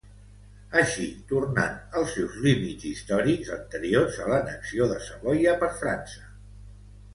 Així, tornant als seus límits històrics anteriors a l'annexió de Savoia per França.